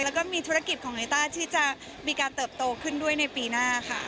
แล้วก็มีธุรกิจของลิต้าที่จะมีการเติบโตขึ้นด้วยในปีหน้าค่ะ